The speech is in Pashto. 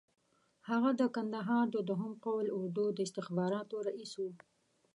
هغه د کندهار د دوهم قول اردو د استخباراتو رییس وو.